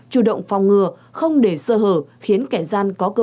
chủ động phòng ngừa không để sơ hở khiến kẻ gian có cơ hội